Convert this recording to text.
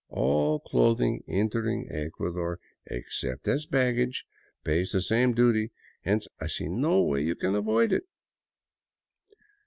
All clothing entering Ecuador — ex cept as baggage — pays the same duty; hence I see no way you can avoid it."